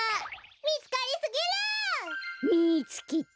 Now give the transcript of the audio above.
みつかりすぎる。みつけた。